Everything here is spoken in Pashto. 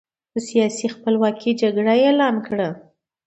د سیاسي خپلواکۍ جګړه اعلان کړه.